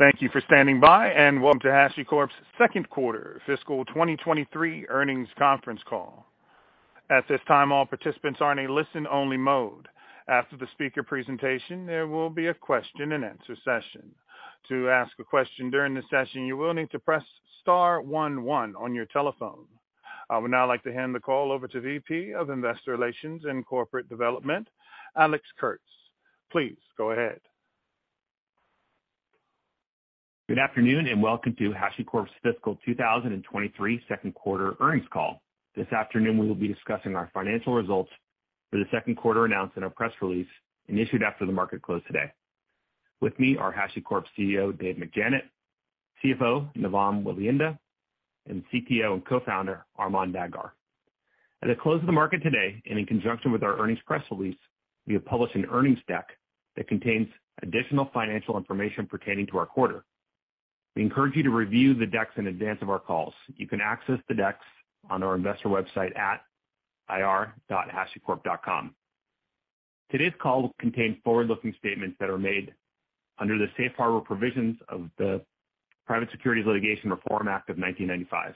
Thank you for standing by, and welcome to HashiCorp's Q2 fiscal 2023 earnings conference call. At this time, all participants are in a listen-only mode. After the speaker presentation, there will be a question-and-answer session. To ask a question during the session, you will need to press star one one on your telephone. I would now like to hand the call over to VP of Investor Relations and Corporate Development, Alex Kurtz. Please go ahead. Good afternoon, and welcome to HashiCorp's fiscal 2023 Q2 earnings call. This afternoon we will be discussing our financial results for the Q2 announced in our press release issued after the market closed today. With me are HashiCorp CEO, Dave McJannet, CFO, Navam Welihinda, and CTO and Co-founder, Armon Dadgar. At the close of the market today and in conjunction with our earnings press release, we have published an earnings deck that contains additional financial information pertaining to our quarter. We encourage you to review the deck in advance of our call. You can access the deck on our investor website at ir.hashicorp.com. Today's call will contain forward-looking statements that are made under the safe harbor provisions of the Private Securities Litigation Reform Act of 1995.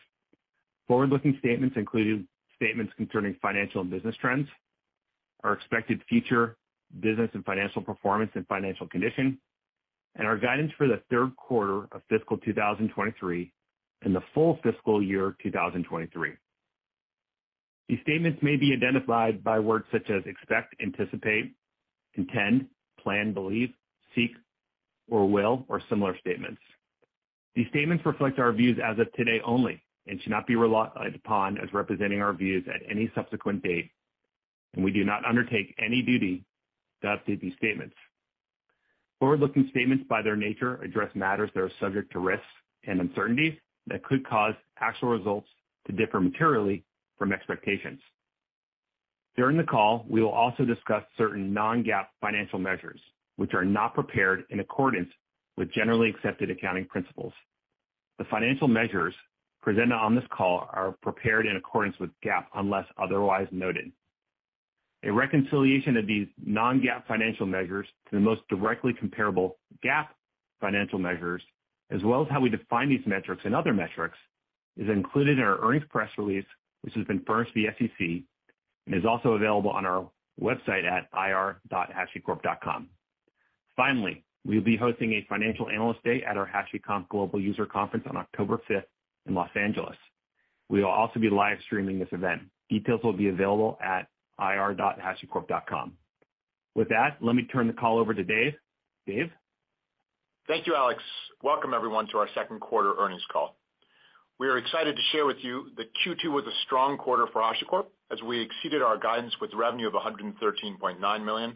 Forward-looking statements include statements concerning financial and business trends, our expected future business and financial performance and financial condition, and our guidance for the Q3 of fiscal 2023 and the full fiscal year 2023. These statements may be identified by words such as expect, anticipate, intend, plan, believe, seek or will, or similar statements. These statements reflect our views as of today only and should not be relied upon as representing our views at any subsequent date, and we do not undertake any duty to update these statements. Forward-looking statements, by their nature, address matters that are subject to risks and uncertainties that could cause actual results to differ materially from expectations. During the call, we will also discuss certain non-GAAP financial measures which are not prepared in accordance with generally accepted accounting principles. The financial measures presented on this call are prepared in accordance with GAAP, unless otherwise noted. A reconciliation of these non-GAAP financial measures to the most directly comparable GAAP financial measures, as well as how we define these metrics and other metrics, is included in our earnings press release, which has been furnished to the SEC and is also available on our website at ir.hashicorp.com. Finally, we'll be hosting a financial analyst day at our HashiConf Global user conference on October fifth in Los Angeles. We will also be live streaming this event. Details will be available at ir.hashicorp.com. With that, let me turn the call over to Dave. Dave? Thank you, Alex. Welcome everyone to our Q2 earnings call. We are excited to share with you that Q2 was a strong quarter for HashiCorp as we exceeded our guidance with revenue of $113.9 million,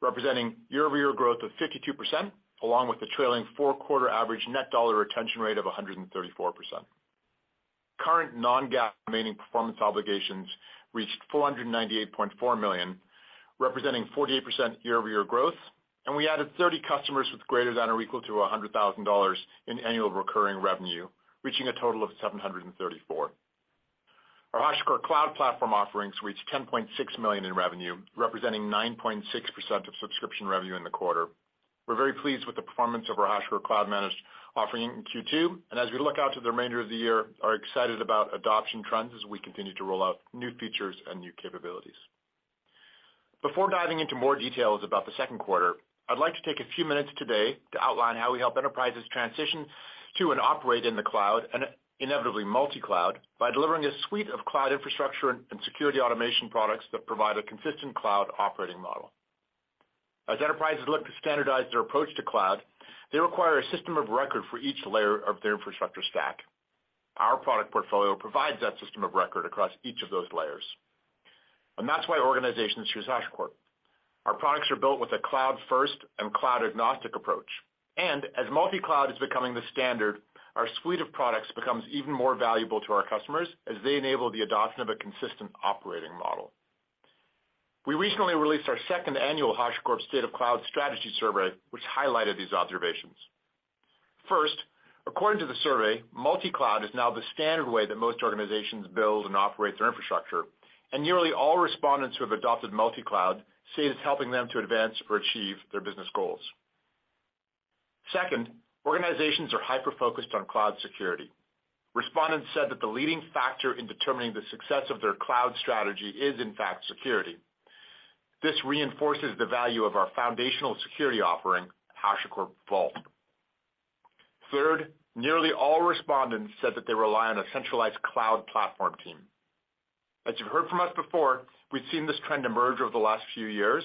representing year-over-year growth of 52%, along with the trailing four quarter average net dollar retention rate of 134%. Current non-GAAP remaining performance obligations reached $498.4 million, representing 48% year-over-year growth. We added 30 customers with greater than or equal to $100,000 in annual recurring revenue, reaching a total of 734. Our HashiCorp Cloud Platform offerings reached $10.6 million in revenue, representing 9.6% of subscription revenue in the quarter. We're very pleased with the performance of our HashiCorp Cloud Managed offering in Q2, and as we look out to the remainder of the year, are excited about adoption trends as we continue to roll out new features and new capabilities. Before diving into more details about the Q2, I'd like to take a few minutes today to outline how we help enterprises transition to and operate in the cloud and inevitably multi-cloud by delivering a suite of cloud infrastructure and security automation products that provide a consistent cloud operating model. As enterprises look to standardize their approach to cloud, they require a system of record for each layer of their infrastructure stack. Our product portfolio provides that system of record across each of those layers, and that's why organizations choose HashiCorp. Our products are built with a cloud first and cloud agnostic approach, and as multi-cloud is becoming the standard, our suite of products becomes even more valuable to our customers as they enable the adoption of a consistent operating model. We recently released our second annual HashiCorp State of Cloud Strategy survey, which highlighted these observations. First, according to the survey, multi-cloud is now the standard way that most organizations build and operate their infrastructure, and nearly all respondents who have adopted multi-cloud say it's helping them to advance or achieve their business goals. Second, organizations are hyper-focused on cloud security. Respondents said that the leading factor in determining the success of their cloud strategy is, in fact, security. This reinforces the value of our foundational security offering, HashiCorp Vault. Third, nearly all respondents said that they rely on a centralized cloud platform team. As you've heard from us before, we've seen this trend emerge over the last few years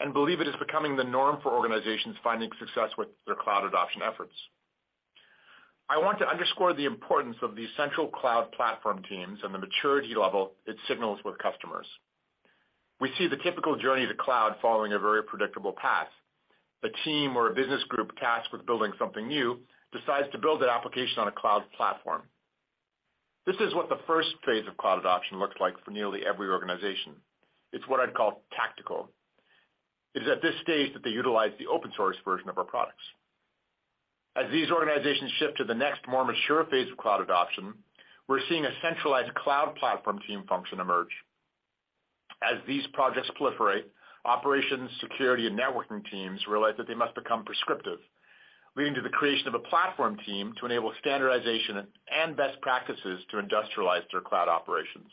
and believe it is becoming the norm for organizations finding success with their cloud adoption efforts. I want to underscore the importance of these central cloud platform teams and the maturity level it signals with customers. We see the typical journey to cloud following a very predictable path. A team or a business group tasked with building something new decides to build an application on a cloud platform. This is what the 1st phase of cloud adoption looks like for nearly every organization. It's what I'd call tactical. It is at this stage that they utilize the open source version of our products. As these organizations shift to the next, more mature phase of cloud adoption, we're seeing a centralized cloud platform team function emerge. As these projects proliferate, operations, security, and networking teams realize that they must become prescriptive, leading to the creation of a platform team to enable standardization and best practices to industrialize their cloud operations.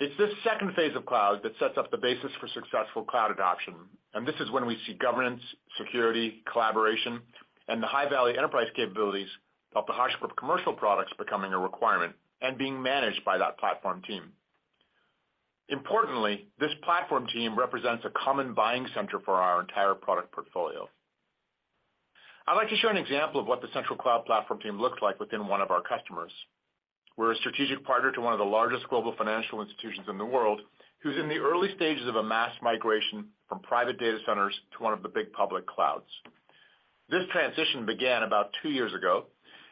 It's this second phase of cloud that sets up the basis for successful cloud adoption, and this is when we see governance, security, collaboration, and the high-value enterprise capabilities of the HashiCorp commercial products becoming a requirement and being managed by that platform team. Importantly, this platform team represents a common buying center for our entire product portfolio. I'd like to show an example of what the central cloud platform team looks like within one of our customers. We're a strategic partner to one of the largest global financial institutions in the world, who's in the early stages of a mass migration from private data centers to one of the big public clouds. This transition began about two years ago,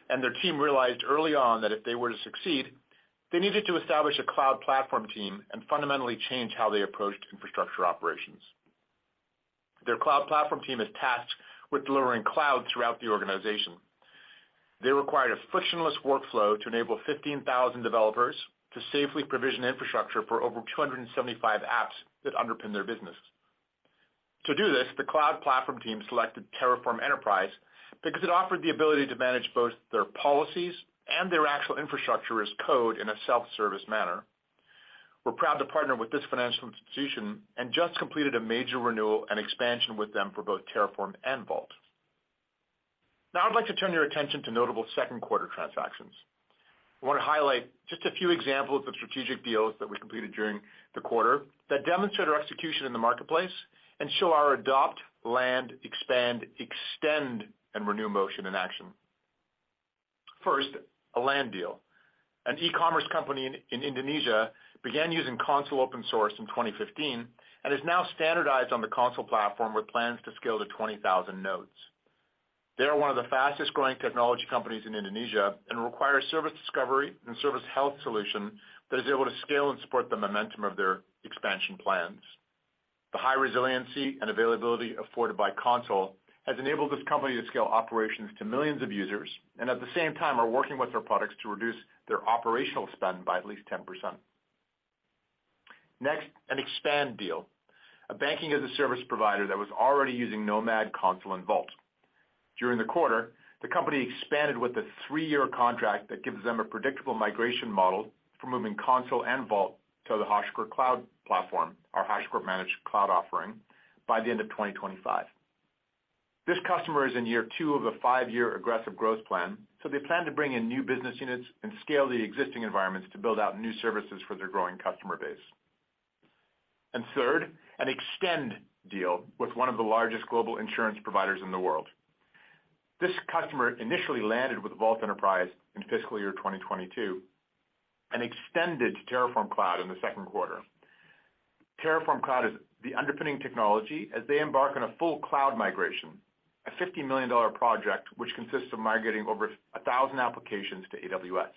and their team realized early on that if they were to succeed, they needed to establish a cloud platform team and fundamentally change how they approached infrastructure operations. Their cloud platform team is tasked with delivering cloud throughout the organization. They required a frictionless workflow to enable 15,000 developers to safely provision infrastructure for over 275 apps that underpin their business. To do this, the cloud platform team selected Terraform Enterprise because it offered the ability to manage both their policies and their actual infrastructure as code in a self-service manner. We're proud to partner with this financial institution and just completed a major renewal and expansion with them for both Terraform and Vault. Now I'd like to turn your attention to notable Q2 transactions. I want to highlight just a few examples of strategic deals that we completed during the quarter that demonstrate our execution in the marketplace and show our adopt, land, expand, extend, and renew motion in action. First, a land deal. An e-commerce company in Indonesia began using Consul open source in 2015, and is now standardized on the Consul platform with plans to scale to 20,000 nodes. They are one of the fastest-growing technology companies in Indonesia and require service discovery and service health solution that is able to scale and support the momentum of their expansion plans. The high resiliency and availability afforded by Consul has enabled this company to scale operations to millions of users, and at the same time are working with our products to reduce their operational spend by at least 10%. Next, an expand deal. A banking-as-a-service provider that was already using Nomad, Consul, and Vault. During the quarter, the company expanded with a three-year contract that gives them a predictable migration model for moving Consul and Vault to the HashiCorp Cloud Platform, our HashiCorp managed cloud offering, by the end of 2025. This customer is in year two of a five-year aggressive growth plan, so they plan to bring in new business units and scale the existing environments to build out new services for their growing customer base. Third, an extend deal with one of the largest global insurance providers in the world. This customer initially landed with Vault Enterprise in fiscal year 2022 and extended to Terraform Cloud in the Q2. Terraform Cloud is the underpinning technology as they embark on a full cloud migration, a $50 million project which consists of migrating over 1,000 applications to AWS.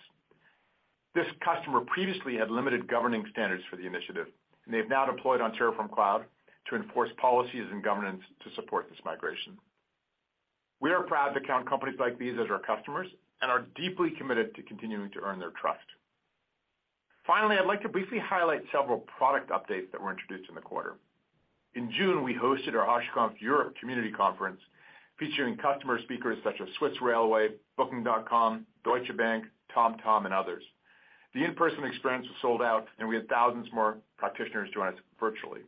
This customer previously had limited governing standards for the initiative, and they've now deployed on Terraform Cloud to enforce policies and governance to support this migration. We are proud to count companies like these as our customers and are deeply committed to continuing to earn their trust. Finally, I'd like to briefly highlight several product updates that were introduced in the quarter. In June, we hosted our HashiConf Europe community conference, featuring customer speakers such as Swiss Federal Railways, Booking.com, Deutsche Bank, TomTom, and others. The in-person experience was sold out and we had thousands more practitioners join us virtually.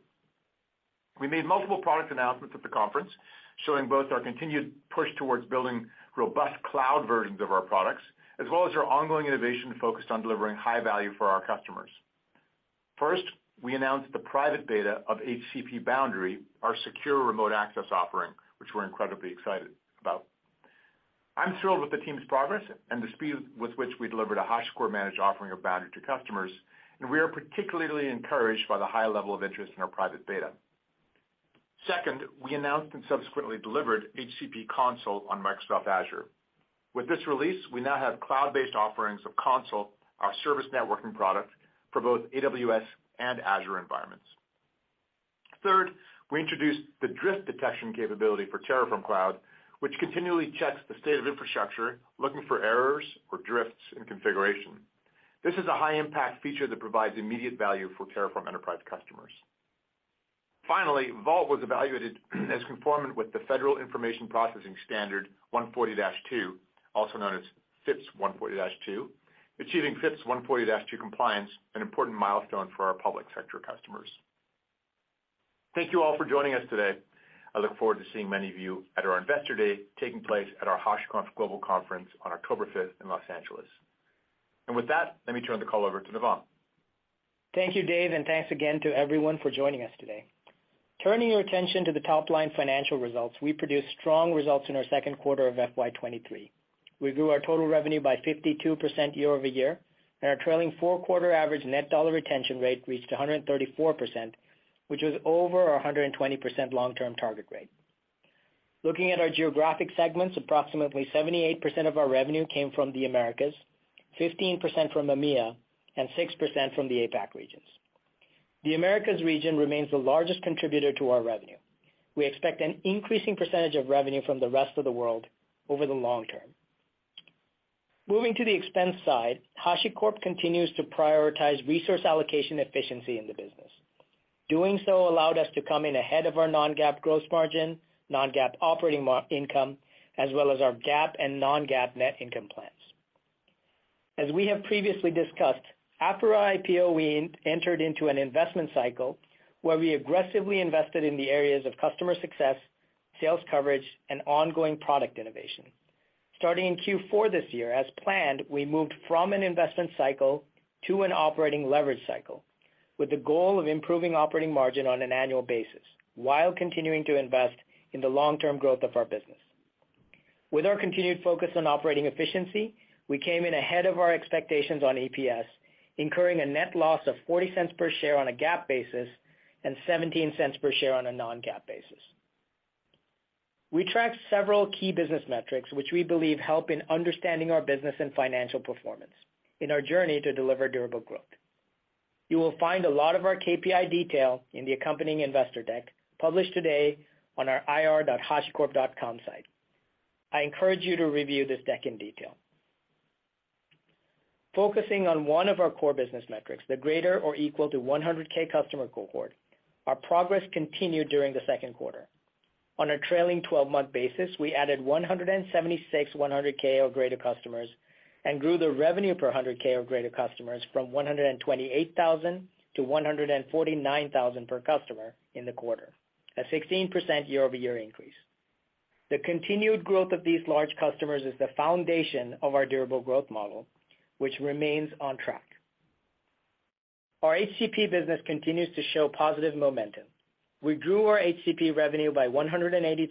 We made multiple product announcements at the conference, showing both our continued push towards building robust cloud versions of our products, as well as our ongoing innovation focused on delivering high value for our customers. First, we announced the private beta of HCP Boundary, our secure remote access offering, which we're incredibly excited about. I'm thrilled with the team's progress and the speed with which we delivered a HashiCorp managed offering of Boundary to customers, and we are particularly encouraged by the high level of interest in our private beta. Second, we announced and subsequently delivered HCP Consul on Microsoft Azure. With this release, we now have cloud-based offerings of Consul, our service networking product, for both AWS and Azure environments. Third, we introduced the drift detection capability for Terraform Cloud, which continually checks the state of infrastructure, looking for errors or drifts in configuration. This is a high-impact feature that provides immediate value for Terraform Enterprise customers. Finally, Vault was evaluated as conformant with the Federal Information Processing Standard 140-2, also known as FIPS 140-2, achieving FIPS 140-2 compliance, an important milestone for our public sector customers. Thank you all for joining us today. I look forward to seeing many of you at our investor day, taking place at our HashiConf Global conference on October fifth in Los Angeles. With that, let me turn the call over to Navam. Thank you, Dave, and thanks again to everyone for joining us today. Turning your attention to the top-line financial results, we produced strong results in our Q2 of FY 2023. We grew our total revenue by 52% year-over-year, and our trailing four-quarter average net dollar retention rate reached 134%, which was over our 120% long-term target rate. Looking at our geographic segments, approximately 78% of our revenue came from the Americas, 15% from EMEA, and 6% from the APAC regions. The Americas region remains the largest contributor to our revenue. We expect an increasing percentage of revenue from the rest of the world over the long term. Moving to the expense side, HashiCorp continues to prioritize resource allocation efficiency in the business. Doing so allowed us to come in ahead of our non-GAAP gross margin, non-GAAP operating income, as well as our GAAP and non-GAAP net income plans. As we have previously discussed, after our IPO, we entered into an investment cycle where we aggressively invested in the areas of customer success, sales coverage, and ongoing product innovation. Starting in Q4 this year, as planned, we moved from an investment cycle to an operating leverage cycle, with the goal of improving operating margin on an annual basis while continuing to invest in the long-term growth of our business. With our continued focus on operating efficiency, we came in ahead of our expectations on EPS, incurring a net loss of $0.40 per share on a GAAP basis and $0.17 per share on a non-GAAP basis. We tracked several key business metrics which we believe help in understanding our business and financial performance in our journey to deliver durable growth. You will find a lot of our KPI detail in the accompanying investor deck published today on our ir.hashicorp.com site. I encourage you to review this deck in detail. Focusing on one of our core business metrics, the greater or equal to 100K customer cohort, our progress continued during the Q2. On a trailing twelve-month basis, we added 176 100K or greater customers and grew the revenue per 100K or greater customers from $128,000 to $149,000 per customer in the quarter, a 16% year-over-year increase. The continued growth of these large customers is the foundation of our durable growth model, which remains on track. Our HCP business continues to show positive momentum. We grew our HCP revenue by 183%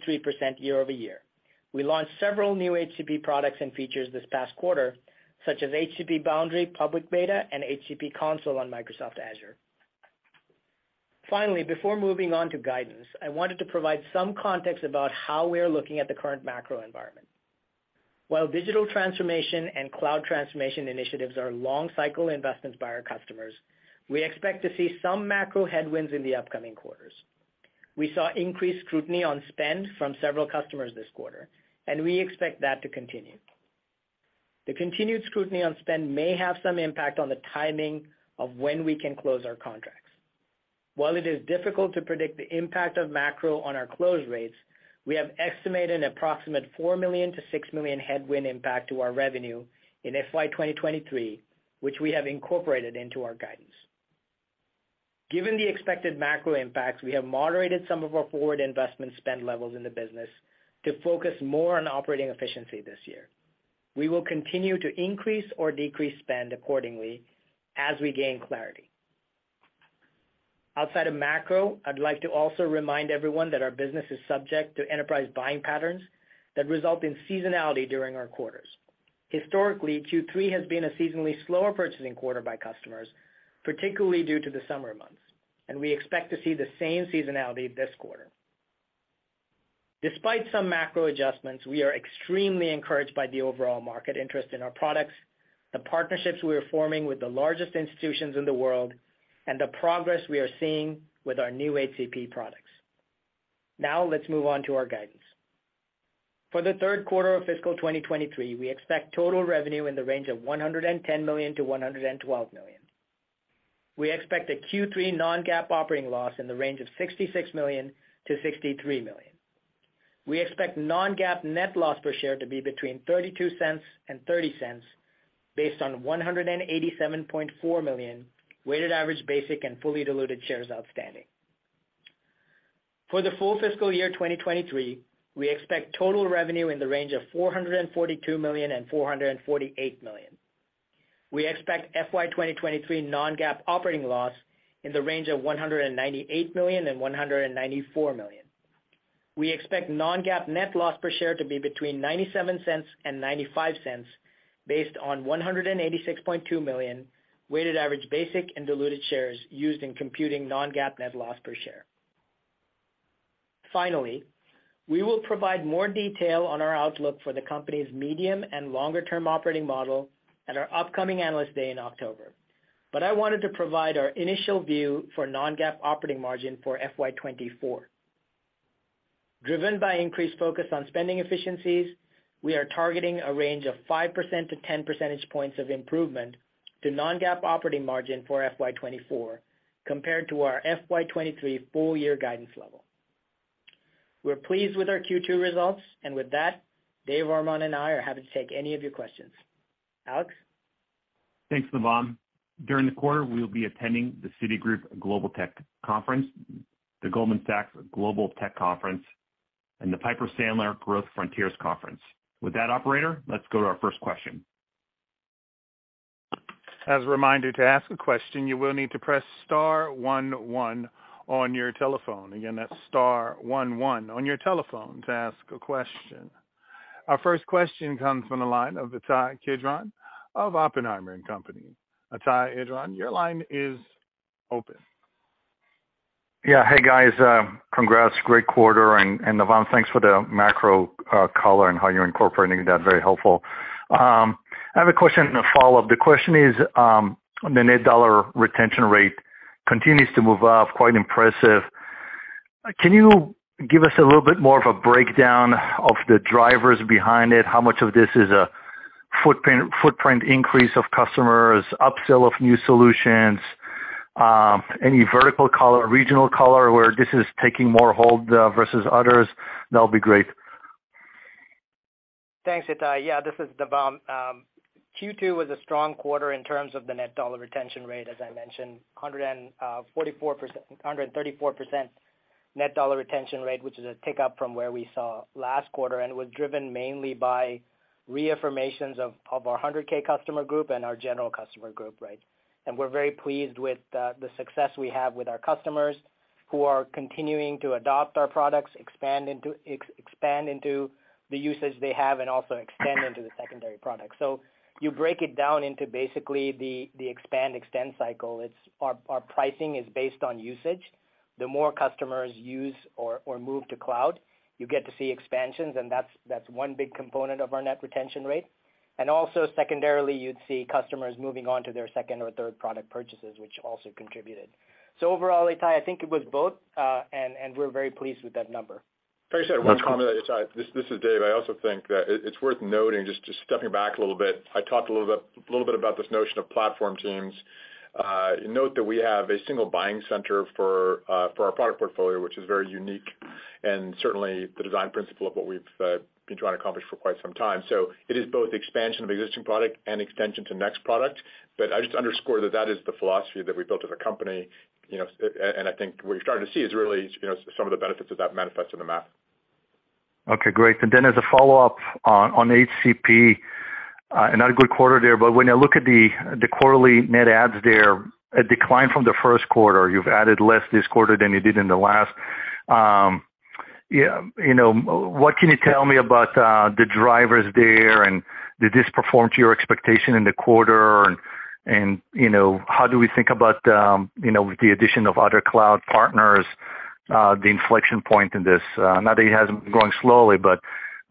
year-over-year. We launched several new HCP products and features this past quarter, such as HCP Boundary Public Beta and HCP Consul on Microsoft Azure. Finally, before moving on to guidance, I wanted to provide some context about how we are looking at the current macro environment. While digital transformation and cloud transformation initiatives are long cycle investments by our customers, we expect to see some macro headwinds in the upcoming quarters. We saw increased scrutiny on spend from several customers this quarter, and we expect that to continue. The continued scrutiny on spend may have some impact on the timing of when we can close our contracts. While it is difficult to predict the impact of macro on our close rates, we have estimated an approximate $4 million-$6 million headwind impact to our revenue in FY 2023, which we have incorporated into our guidance. Given the expected macro impacts, we have moderated some of our forward investment spend levels in the business to focus more on operating efficiency this year. We will continue to increase or decrease spend accordingly as we gain clarity. Outside of macro, I'd like to also remind everyone that our business is subject to enterprise buying patterns that result in seasonality during our quarters. Historically, Q3 has been a seasonally slower purchasing quarter by customers, particularly due to the summer months, and we expect to see the same seasonality this quarter. Despite some macro adjustments, we are extremely encouraged by the overall market interest in our products, the partnerships we are forming with the largest institutions in the world, and the progress we are seeing with our new HCP products. Now, let's move on to our guidance. For the Q3 of fiscal 2023, we expect total revenue in the range of $110 million-$112 million. We expect a Q3 non-GAAP operating loss in the range of $66 million-$63 million. We expect non-GAAP net loss per share to be between $0.32 and $0.30 based on 187.4 million weighted average basic and fully diluted shares outstanding. For the full fiscal year 2023, we expect total revenue in the range of $442 million-$448 million. We expect FY 2023 non-GAAP operating loss in the range of $198 million-$194 million. We expect non-GAAP net loss per share to be between $0.97 and $0.95 based on 186.2 million weighted average basic and diluted shares used in computing non-GAAP net loss per share. Finally, we will provide more detail on our outlook for the company's medium and longer term operating model at our upcoming Analyst Day in October. I wanted to provide our initial view for non-GAAP operating margin for FY 2024. Driven by increased focus on spending efficiencies, we are targeting a range of 5% to 10 percentage points of improvement to non-GAAP operating margin for FY 2024 compared to our FY 2023 full year guidance level. We're pleased with our Q2 results. With that, Dave, Armon and I are happy to take any of your questions. Alex? Thanks, Navam. During the quarter, we will be attending the Citigroup Global Tech Conference, the Goldman Sachs Global Tech Conference, and the Piper Sandler Growth Frontiers Conference. With that, operator, let's go to our first question. As a reminder, to ask a question, you will need to press star one one on your telephone. Again, that's star one one on your telephone to ask a question. Our first question comes from the line of Ittai Kidron of Oppenheimer & Company. Ittai Kidron, your line is open. Yeah. Hey, guys, congrats. Great quarter. Navam, thanks for the macro color and how you're incorporating that. Very helpful. I have a question and a follow-up. The question is, the net dollar retention rate continues to move up, quite impressive. Can you give us a little bit more of a breakdown of the drivers behind it? How much of this is a footprint increase of customers, upsell of new solutions? Any vertical color or regional color where this is taking more hold versus others? That'll be great. Thanks, Itai. Yeah, this is Navam. Q2 was a strong quarter in terms of the net dollar retention rate. As I mentioned, 134% net dollar retention rate, which is a tick up from where we saw last quarter, and was driven mainly by reaffirmations of our 100K customer group and our general customer group, right? We're very pleased with the success we have with our customers who are continuing to adopt our products, expand into the usage they have, and also extend into the secondary product. You break it down into basically the expand-extend cycle. Our pricing is based on usage. The more customers use or move to cloud, you get to see expansions, and that's one big component of our net retention rate. Also secondarily, you'd see customers moving on to their second or third product purchases, which also contributed. Overall, Ittai, I think it was both, and we're very pleased with that number. Can I say one comment, Itai? This is Dave. I also think it's worth noting, just stepping back a little bit. I talked a little bit about this notion of platform teams. Note that we have a single buying center for our product portfolio, which is very unique and certainly the design principle of what we've been trying to accomplish for quite some time. It is both expansion of existing product and extension to next product. I just underscore that that is the philosophy that we built as a company, you know, and I think what you're starting to see is really, you know, some of the benefits of that manifest in the math. Okay, great. Then as a follow-up on HCP, another good quarter there, but when I look at the quarterly net adds there, a decline from the Q1, you've added less this quarter than you did in the last. Yeah, you know, what can you tell me about the drivers there and did this perform to your expectation in the quarter? You know, how do we think about, you know, with the addition of other cloud partners, the inflection point in this? Not that it hasn't been growing slowly, but,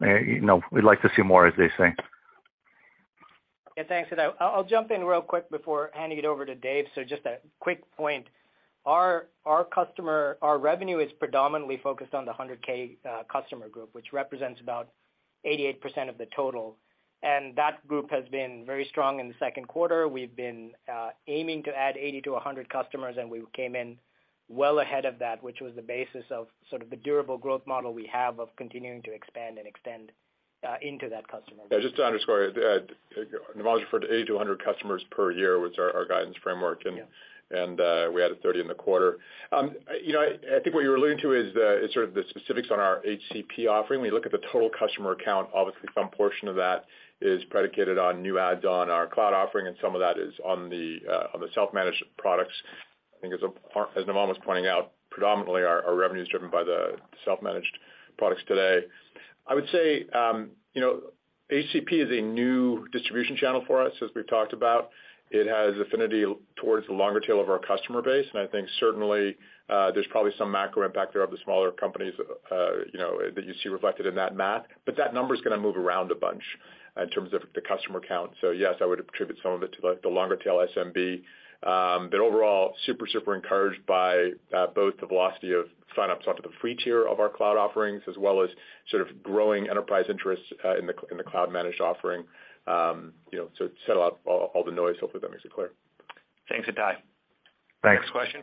you know, we'd like to see more, as they say. Yeah. Thanks, Itai. I'll jump in real quick before handing it over to Dave. Just a quick point. Our revenue is predominantly focused on the 100K customer group, which represents about 88% of the total. That group has been very strong in the Q2. We've been aiming to add 80 to 100 customers, and we came in well ahead of that, which was the basis of sort of the durable growth model we have of continuing to expand and extend into that customer base. Yeah, just to underscore, Navam referred to 80-100 customers per year was our guidance framework. Yeah. We added 30 in the quarter. You know, I think what you're alluding to is sort of the specifics on our HCP offering. When you look at the total customer count, obviously some portion of that is predicated on new adds on our cloud offering, and some of that is on the self-managed products. I think as Navam was pointing out, predominantly our revenue is driven by the self-managed products today. I would say, you know, HCP is a new distribution channel for us, as we've talked about. It has affinity towards the longer tail of our customer base, and I think certainly, there's probably some macro impact there of the smaller companies, you know, that you see reflected in that math. That number's gonna move around a bunch in terms of the customer count. Yes, I would attribute some of it to the longer tail SMB. But overall, super encouraged by both the velocity of sign-ups off of the free tier of our cloud offerings, as well as sort of growing enterprise interest in the cloud managed offering. You know, to settle out all the noise, hopefully that makes it clear. Thanks, Ittai. Thanks. Next question.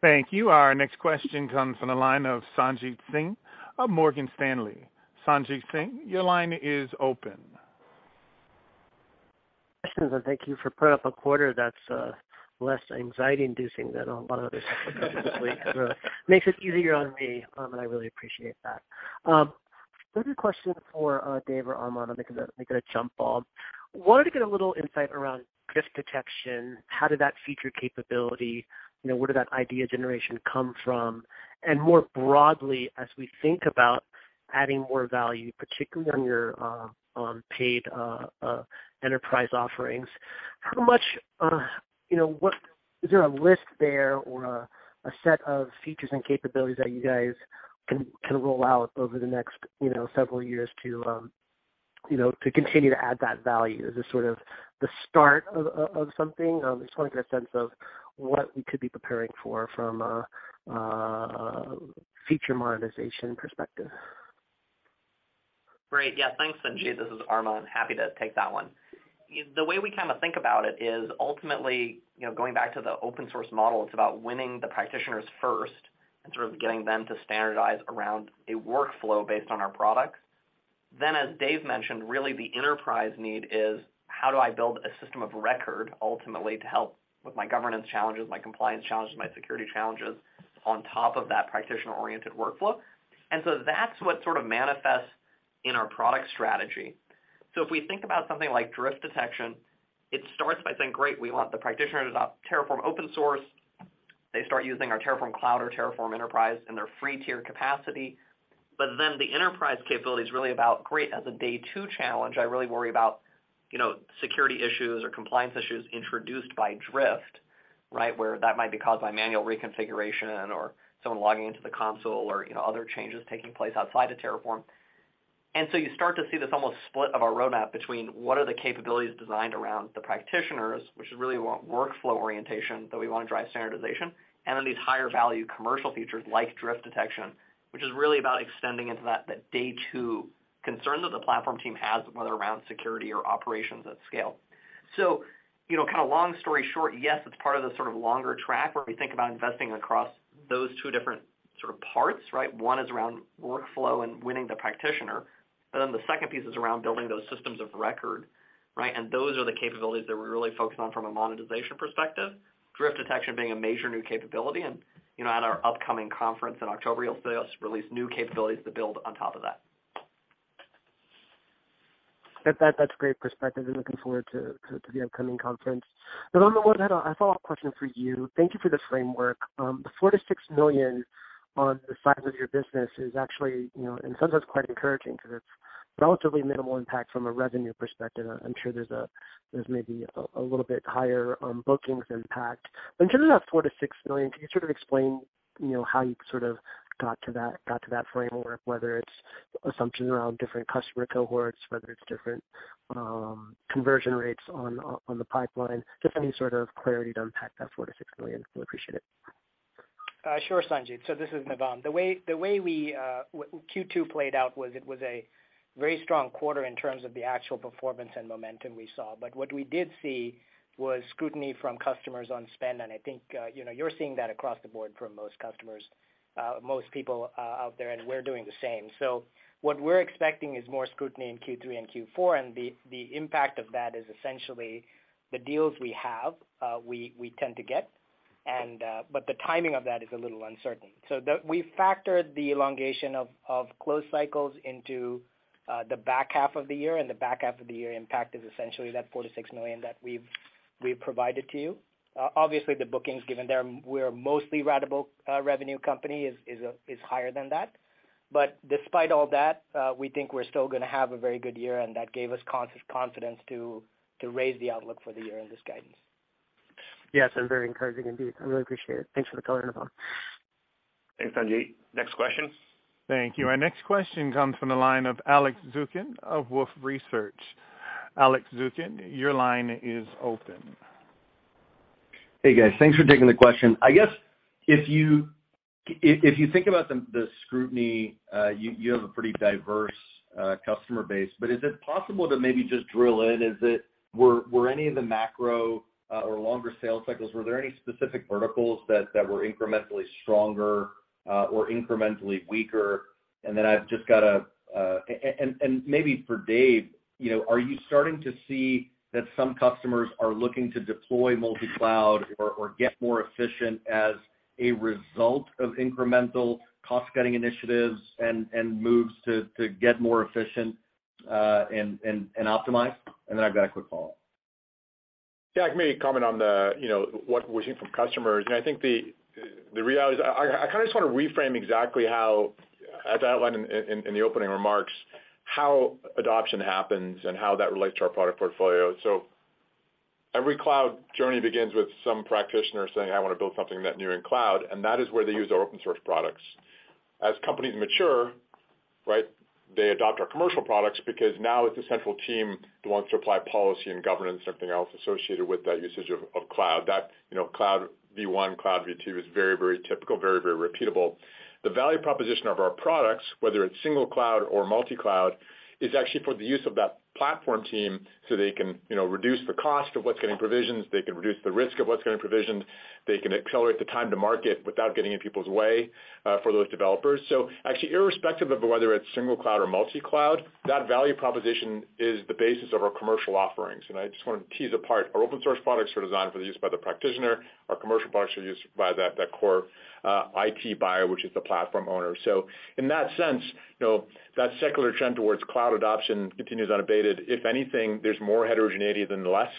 Thank you. Our next question comes from the line of Sanjit Singh of Morgan Stanley. Sanjit Singh, your line is open. Questions. Thank you for putting up a quarter that's less anxiety inducing than a lot of others have this week. Makes it easier on me, and I really appreciate that. First question for Dave or Armon. They can jump on. Wanted to get a little insight around drift detection. How did that feature capability, you know, where did that idea generation come from? More broadly, as we think about adding more value, particularly on your paid enterprise offerings, how much, you know, what is there a list there or a set of features and capabilities that you guys can roll out over the next several years to continue to add that value as sort of the start of something? Just wanna get a sense of what we could be preparing for from a feature monetization perspective. Great. Yeah, thanks, Sanjit. This is Armon. Happy to take that one. The way we kind of think about it is ultimately, you know, going back to the open source model, it's about winning the practitioners first and sort of getting them to standardize around a workflow based on our products. As Dave mentioned, really the enterprise need is how do I build a system of record ultimately to help with my governance challenges, my compliance challenges, my security challenges on top of that practitioner-oriented workflow. That's what sort of manifests in our product strategy. If we think about something like drift detection, it starts by saying, great, we want the practitioner to adopt Terraform open source. They start using our Terraform Cloud or Terraform Enterprise in their free tier capacity. The enterprise capability is really about great as a day two challenge, I really worry about, you know, security issues or compliance issues introduced by drift, right? Where that might be caused by manual reconfiguration or someone logging into the console or, you know, other changes taking place outside of Terraform. You start to see this almost split of our roadmap between what are the capabilities designed around the practitioners, which is really workflow orientation that we want to drive standardization, and then these higher value commercial features like drift detection, which is really about extending into that day two concern that the platform team has, whether around security or operations at scale. You know, kind of long story short, yes, it's part of the sort of longer track where we think about investing across those two different sort of parts, right? One is around workflow and winning the practitioner. The second piece is around building those systems of record, right? Those are the capabilities that we're really focused on from a monetization perspective, drift detection being a major new capability. You know, at our upcoming conference in October, you'll see us release new capabilities to build on top of that. That's great perspective, and looking forward to the upcoming conference. Navam, one other follow-up question for you. Thank you for this framework. The $4 million-$6 million on the size of your business is actually, you know, in some ways quite encouraging because it's relatively minimal impact from a revenue perspective. I'm sure there's maybe a little bit higher bookings impact. In terms of that $4 million-$6 million, can you sort of explain, you know, how you sort of got to that framework, whether it's assumptions around different customer cohorts, whether it's different conversion rates on the pipeline, just any sort of clarity to unpack that $4 million-$6 million. We appreciate it. Sure, Sanjit. This is Navam. The way Q2 played out was a very strong quarter in terms of the actual performance and momentum we saw. What we did see was scrutiny from customers on spend. I think, you know, you're seeing that across the board from most customers, most people, out there, and we're doing the same. What we're expecting is more scrutiny in Q3 and Q4. The impact of that is essentially the deals we have, we tend to get. The timing of that is a little uncertain. We factored the elongation of close cycles into the back half of the year, and the back half of the year impact is essentially that $4 million-$6 million that we've provided to you. Obviously, the bookings given there, we're mostly ratable revenue company is higher than that. Despite all that, we think we're still gonna have a very good year, and that gave us confidence to raise the outlook for the year in this guidance. Yes, very encouraging indeed. I really appreciate it. Thanks for the color, Navam. Thanks, Sanjit. Next question. Thank you. Our next question comes from the line of Alex Zukin of Wolfe Research. Alex Zukin, your line is open. Hey, guys. Thanks for taking the question. I guess if you think about the scrutiny, you have a pretty diverse customer base. Is it possible to maybe just drill in? Were any of the macro or longer sales cycles, were there any specific verticals that were incrementally stronger or incrementally weaker? I've just got a and maybe for Dave, you know, are you starting to see that some customers are looking to deploy multi-cloud or get more efficient as a result of incremental cost-cutting initiatives and moves to get more efficient and optimize? I've just got a quick follow-up. Yeah. I can maybe comment on the, you know, what we're seeing from customers. I think the reality is I kind of just want to reframe exactly how, as I outlined in the opening remarks, how adoption happens and how that relates to our product portfolio. Every cloud journey begins with some practitioner saying, "I want to build something net new in cloud." That is where they use our open source products. As companies mature, right, they adopt our commercial products because now it's a central team that wants to apply policy and governance and everything else associated with that usage of cloud. That, you know, cloud V1, cloud V2 is very, very typical, very, very repeatable. The value proposition of our products, whether it's single cloud or multi-cloud, is actually for the use of that platform team so they can, you know, reduce the cost of what's getting provisioned. They can reduce the risk of what's getting provisioned. They can accelerate the time to market without getting in people's way, for those developers. Actually, irrespective of whether it's single cloud or multi-cloud, that value proposition is the basis of our commercial offerings. I just want to tease apart our open source products are designed for the use by the practitioner. Our commercial products are used by that core, IT buyer, which is the platform owner. In that sense, you know, that secular trend towards cloud adoption continues unabated. If anything, there's more heterogeneity than less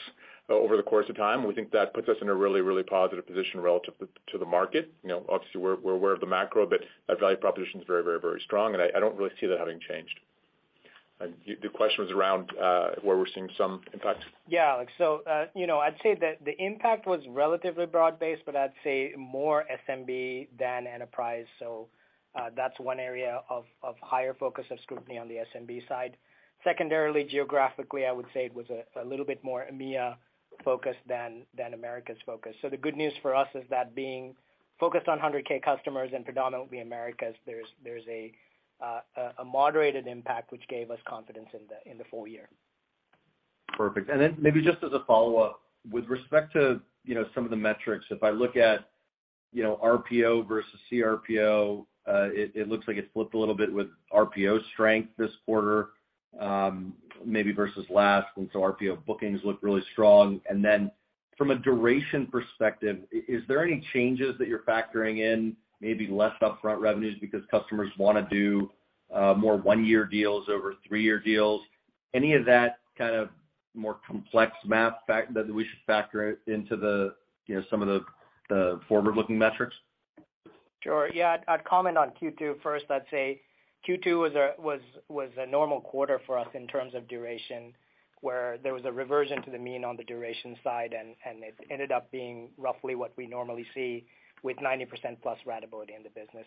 over the course of time. We think that puts us in a really, really positive position relative to the market. You know, obviously, we're aware of the macro, but that value proposition is very, very, very strong, and I don't really see that having changed. Your question was around where we're seeing some impact. Yeah, Alex. You know, I'd say that the impact was relatively broad-based, but I'd say more SMB than enterprise. That's one area of higher focus of scrutiny on the SMB side. Secondarily, geographically, I would say it was a little bit more EMEA focused than Americas focused. The good news for us is that being focused on 100K customers and predominantly Americas, there's a moderated impact which gave us confidence in the full year. Perfect. Maybe just as a follow-up, with respect to, you know, some of the metrics, if I look at, you know, RPO versus CRPO, it looks like it's flipped a little bit with RPO strength this quarter, maybe versus last. RPO bookings look really strong. From a duration perspective, is there any changes that you're factoring in, maybe less upfront revenues because customers wanna do more one-year deals over three-year deals? Any of that kind of more complex math factor that we should factor into the, you know, some of the forward-looking metrics? Sure. Yeah. I'd comment on Q2 first. I'd say Q2 was a normal quarter for us in terms of duration, where there was a reversion to the mean on the duration side, and it ended up being roughly what we normally see with 90% plus ratability in the business.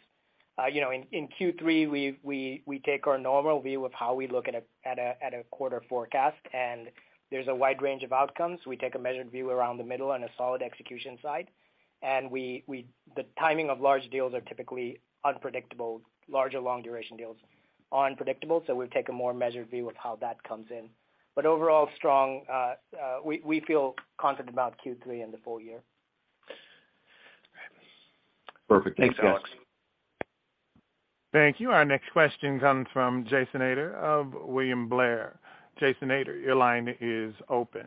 You know, in Q3, we take our normal view of how we look at a quarter forecast, and there's a wide range of outcomes. We take a measured view around the middle and a solid execution side. The timing of large deals are typically unpredictable, larger long duration deals are unpredictable, so we'll take a more measured view of how that comes in. Overall strong, we feel confident about Q3 and the full year. Perfect. Thanks, Alex. Thank you. Our next question comes from Jason Ader of William Blair. Jason Ader, your line is open.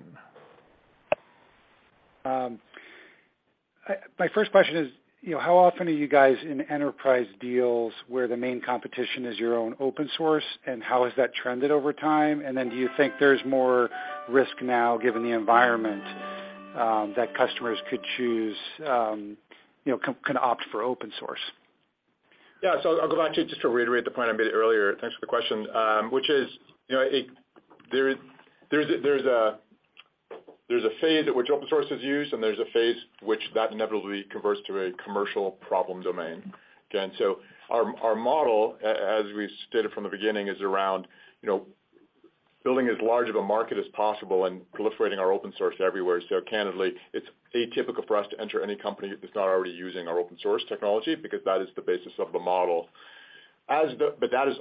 My first question is, you know, how often are you guys in enterprise deals where the main competition is your own open source, and how has that trended over time? Do you think there's more risk now given the environment, that customers could choose, can opt for open source? I'll go back to it just to reiterate the point I made earlier. Thanks for the question. Which is, you know, there's a phase at which open source is used, and there's a phase which that inevitably converts to a commercial problem domain. Again, our model, as we stated from the beginning, is around, you know, building as large of a market as possible and proliferating our open source everywhere. Candidly, it's atypical for us to enter any company that's not already using our open source technology because that is the basis of the model. That is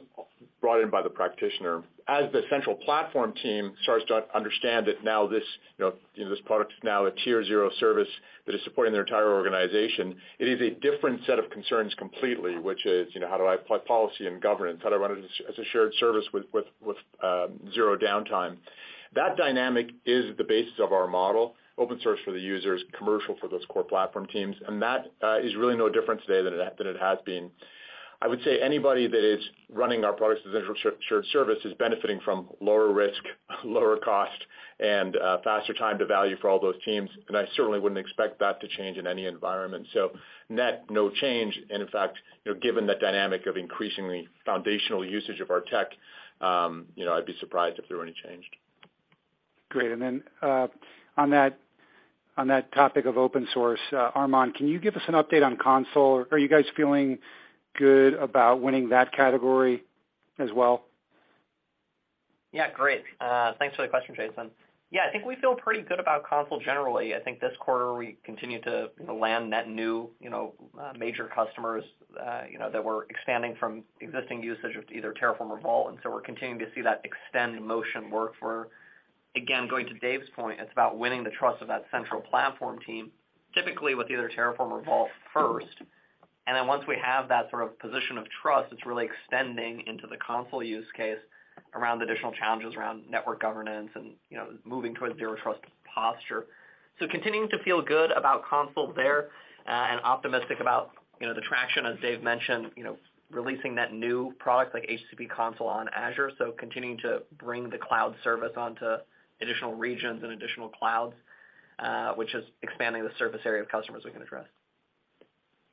brought in by the practitioner. As the central platform team starts to understand that now this, you know, this product is now a tier zero service that is supporting their entire organization, it is a different set of concerns completely, which is, you know, how do I apply policy and governance? How do I run it as a shared service with zero downtime? That dynamic is the basis of our model, open source for the users, commercial for those core platform teams. That is really no different today than it has been. I would say anybody that is running our products as a central shared service is benefiting from lower risk, lower cost, and faster time to value for all those teams. I certainly wouldn't expect that to change in any environment. Net, no change. In fact, you know, given the dynamic of increasingly foundational usage of our tech, you know, I'd be surprised if there were any change. Great. On that topic of open source, Armon, can you give us an update on Consul? Are you guys feeling good about winning that category as well? Yeah. Great. Thanks for the question, Jason. Yeah. I think we feel pretty good about Consul generally. I think this quarter we continued to, you know, land net new, you know, major customers, you know, that were expanding from existing usage of either Terraform or Vault. We're continuing to see that extend motion work for. Again, going to Dave's point, it's about winning the trust of that central platform team, typically with either Terraform or Vault first. And then once we have that sort of position of trust, it's really extending into the Consul use case around additional challenges around network governance and, you know, moving towards zero trust posture. Continuing to feel good about Consul there, and optimistic about, you know, the traction, as Dave mentioned, you know, releasing that new product like HCP Consul on Azure. Continuing to bring the cloud service onto additional regions and additional clouds, which is expanding the surface area of customers we can address.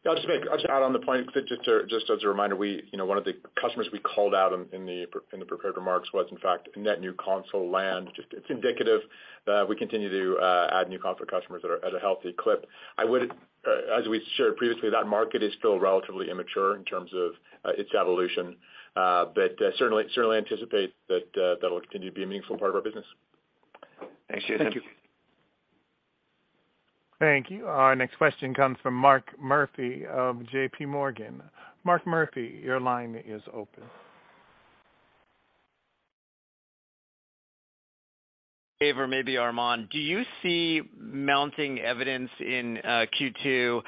Yeah. I'll just add on the point, just to, just as a reminder, you know, one of the customers we called out in the prepared remarks was in fact net new Consul land. Just it's indicative that we continue to add new Consul customers at a healthy clip. As we shared previously, that market is still relatively immature in terms of its evolution. Certainly anticipate that that'll continue to be a meaningful part of our business. Thanks, Jason. Thank you. Thank you. Our next question comes from Mark Murphy of JPMorgan. Mark Murphy, your line is open. Dave or maybe Armon, do you see mounting evidence in Q2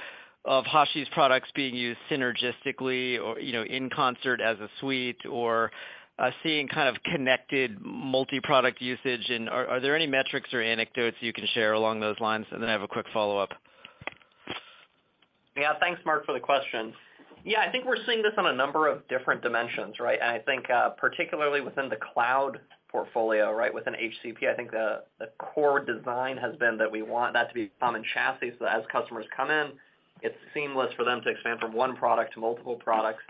of Hashi's products being used synergistically or, you know, in concert as a suite or seeing kind of connected multi-product usage? Are there any metrics or anecdotes you can share along those lines? Then I have a quick follow-up. Yeah. Thanks Mark, for the question. Yeah. I think we're seeing this on a number of different dimensions, right? I think, particularly within the cloud portfolio, right? Within HCP, I think the core design has been that we want that to be common chassis so that as customers come in, it's seamless for them to expand from one product to multiple products.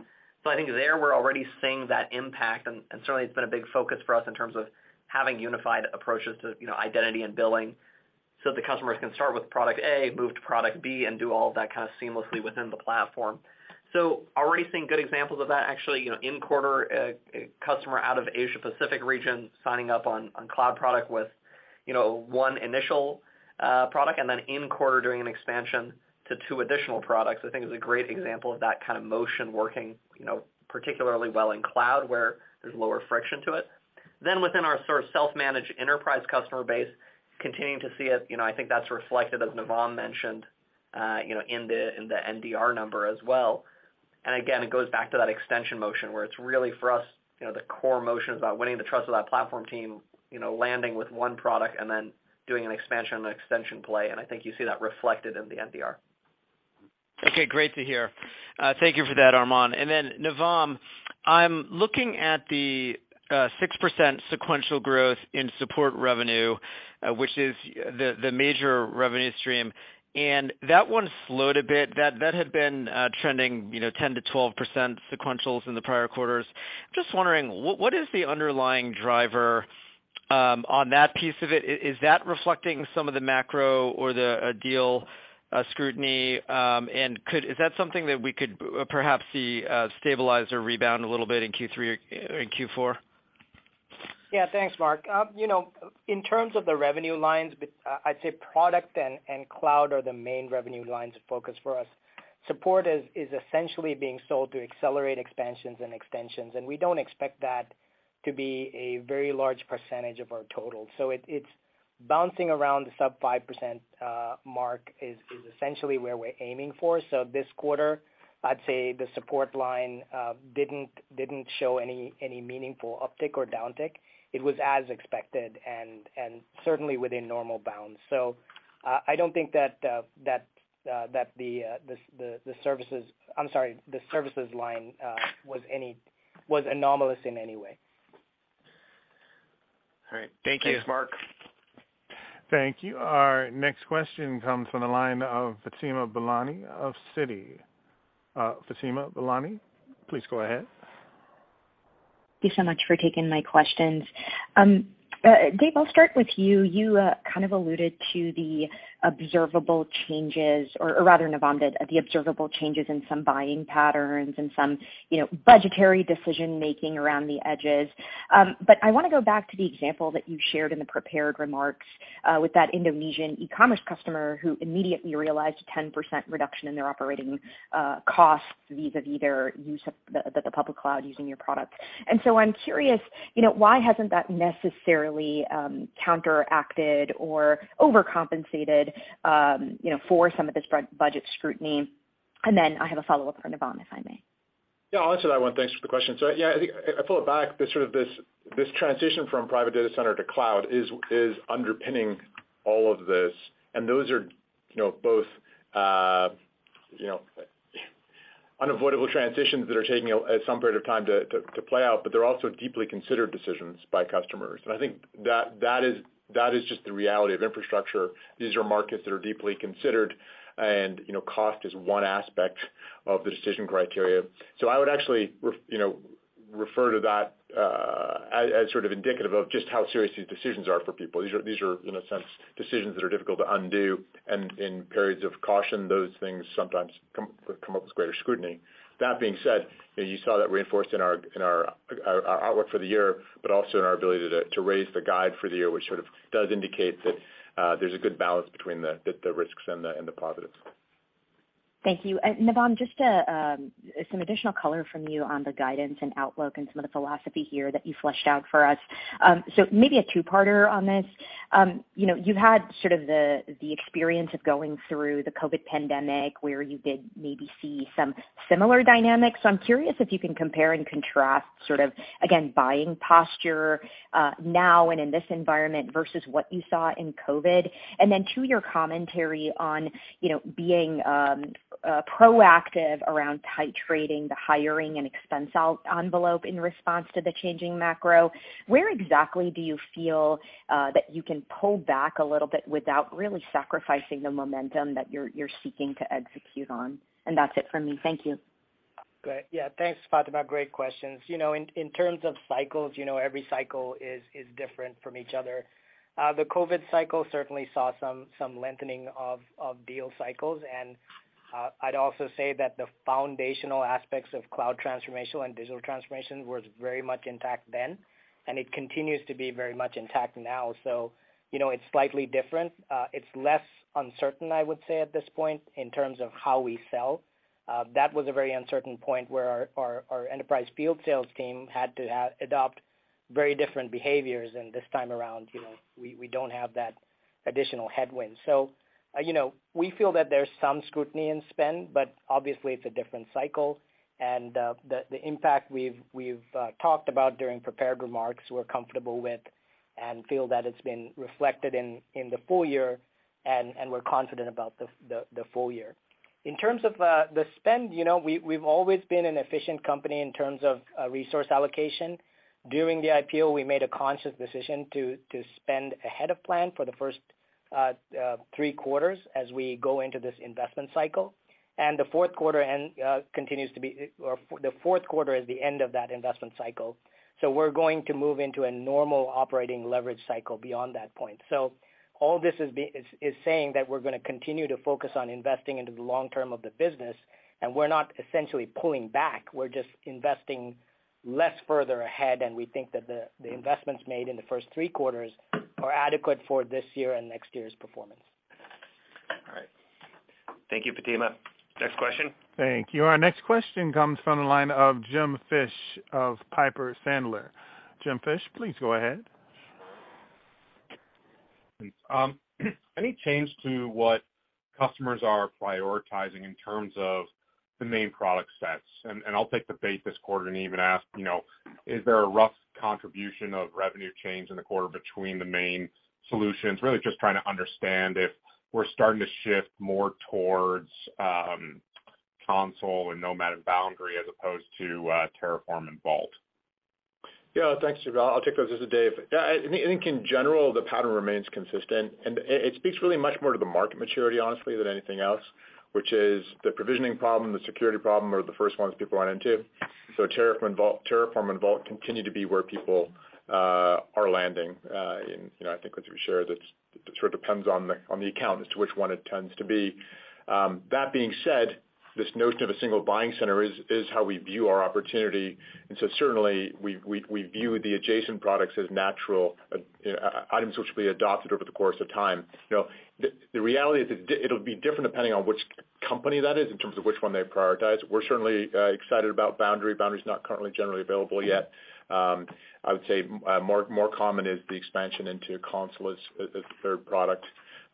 I think there we're already seeing that impact, and certainly it's been a big focus for us in terms of having unified approaches to, you know, identity and billing so the customers can start with product A, move to product B, and do all of that kind of seamlessly within the platform. Already seeing good examples of that. Actually, you know, in quarter, a customer out of Asia Pacific region signing up on cloud product with, you know, one initial, product and then in quarter doing an expansion to two additional products, I think is a great example of that kind of motion working, you know, particularly well in cloud where there's lower friction to it. Within our sort of self-managed enterprise customer base, continuing to see it. You know, I think that's reflected, as Navam mentioned, you know, in the NDR number as well. Again, it goes back to that extension motion where it's really for us, you know, the core motion is about winning the trust of that platform team, you know, landing with one product and then doing an expansion and extension play. I think you see that reflected in the NDR. Okay. Great to hear. Thank you for that, Armon. Then Navam, I'm looking at the 6% sequential growth in support revenue, which is the major revenue stream, and that one slowed a bit. That had been trending, you know, 10%-12% sequentials in the prior quarters. Just wondering, what is the underlying driver? On that piece of it, is that reflecting some of the macro or the deal scrutiny? Is that something that we could perhaps see stabilize or rebound a little bit in Q3 or in Q4? Yeah, thanks, Mark. You know, in terms of the revenue lines, but I'd say product and cloud are the main revenue lines of focus for us. Support is essentially being sold to accelerate expansions and extensions, and we don't expect that to be a very large percentage of our total. It's bouncing around the sub-5% mark is essentially where we're aiming for. This quarter, I'd say the support line didn't show any meaningful uptick or downtick. It was as expected and certainly within normal bounds. I don't think that the services line was anomalous in any way. All right. Thank you. Thanks, Mark. Thank you. Our next question comes from the line of Fatima Boolani of Citi. Fatima Boolani, please go ahead. Thank you so much for taking my questions. Dave, I'll start with you. You kind of alluded to the observable changes, or rather Navam did, the observable changes in some buying patterns and some, you know, budgetary decision-making around the edges. I wanna go back to the example that you shared in the prepared remarks, with that Indonesian e-commerce customer who immediately realized a 10% reduction in their operating costs vis-à-vis their use of the public cloud using your products. So I'm curious, you know, why hasn't that necessarily counteracted or overcompensated, you know, for some of this budget scrutiny? Then I have a follow-up for Navam, if I may. Yeah, I'll answer that one. Thanks for the question. Yeah, I think I pull it back to sort of this transition from private data center to cloud is underpinning all of this. Those are, you know, both, you know, unavoidable transitions that are taking some period of time to play out, but they're also deeply considered decisions by customers. I think that is just the reality of infrastructure. These are markets that are deeply considered and, you know, cost is one aspect of the decision criteria. I would actually refer to that as sort of indicative of just how serious these decisions are for people. These are in a sense decisions that are difficult to undo, and in periods of caution, those things sometimes come up with greater scrutiny. That being said, you know, you saw that reinforced in our outlook for the year, but also in our ability to raise the guide for the year, which sort of does indicate that there's a good balance between the risks and the positives. Thank you. Navam, just to some additional color from you on the guidance and outlook and some of the philosophy here that you fleshed out for us. Maybe a two-parter on this. You know, you've had sort of the experience of going through the COVID pandemic where you did maybe see some similar dynamics. I'm curious if you can compare and contrast sort of, again, buying posture now and in this environment versus what you saw in COVID. To your commentary on, you know, being proactive around titrating the hiring and expense envelope in response to the changing macro, where exactly do you feel that you can pull back a little bit without really sacrificing the momentum that you're seeking to execute on? That's it for me. Thank you. Great. Yeah, thanks, Fatima. Great questions. You know, in terms of cycles, you know, every cycle is different from each other. The COVID cycle certainly saw some lengthening of deal cycles, and I'd also say that the foundational aspects of cloud transformation and digital transformation was very much intact then, and it continues to be very much intact now. You know, it's slightly different. It's less uncertain, I would say, at this point in terms of how we sell. That was a very uncertain point where our enterprise field sales team had to adopt very different behaviors, and this time around, you know, we don't have that additional headwind. You know, we feel that there's some scrutiny in spend, but obviously it's a different cycle. The impact we've talked about during prepared remarks we're comfortable with and feel that it's been reflected in the full year, and we're confident about the full year. In terms of the spend, you know, we've always been an efficient company in terms of resource allocation. During the IPO, we made a conscious decision to spend ahead of plan for the first three quarters as we go into this investment cycle. The Q4 is the end of that investment cycle. We're going to move into a normal operating leverage cycle beyond that point. All this is saying that we're gonna continue to focus on investing into the long term of the business, and we're not essentially pulling back. We're just investing less further ahead, and we think that the investments made in the first three quarters are adequate for this year and next year's performance. All right. Thank you, Fatima. Next question. Thank you. Our next question comes from the line of Jim Fish of Piper Sandler. Jim Fish, please go ahead. Any change to what customers are prioritizing in terms of the main product sets? I'll take the bait this quarter and even ask, you know, is there a rough contribution of revenue change in the quarter between the main solutions? Really just trying to understand if we're starting to shift more towards Consul and Nomad and Boundary as opposed to Terraform and Vault. Yeah. Thanks, Jim. I'll take those. This is Dave. Yeah, I think in general, the pattern remains consistent, and it speaks really much more to the market maturity honestly than anything else, which is the provisioning problem, the security problem are the first ones people run into. Terraform and Vault continue to be where people are landing. You know, I think as we share, that sort of depends on the account as to which one it tends to be. That being said, this notion of a single buying center is how we view our opportunity. Certainly we view the adjacent products as natural items which will be adopted over the course of time. You know, the reality is it'll be different depending on which company that is in terms of which one they prioritize. We're certainly excited about Boundary. Boundary is not currently generally available yet. I would say more common is the expansion into Consul as a third product.